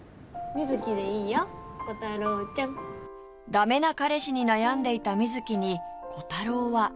駄目な彼氏に悩んでいた美月にコタローは